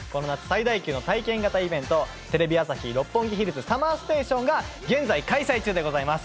最大級の体験型イベントテレビ朝日・六本木ヒルズＳＵＭＭＥＲＳＴＡＴＩＯＮが現在開催中でございます。